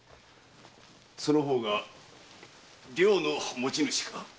その方が寮の持ち主か？